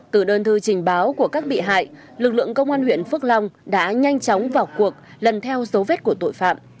từ đơn thư trình báo của các bị hại lực lượng công an huyện phước long đã nhanh chóng vào cuộc lần theo dấu vết của tội phạm